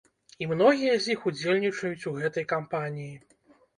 І многія з іх удзельнічаюць у гэтай кампаніі.